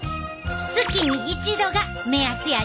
月に１度が目安やで。